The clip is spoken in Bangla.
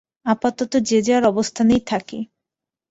আপাতত যে যার অবস্থানেই থাকি।